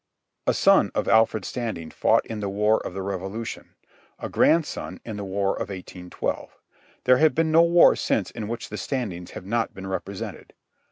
A son of Alfred Standing fought in the War of the Revolution; a grandson, in the War of 1812. There have been no wars since in which the Standings have not been represented.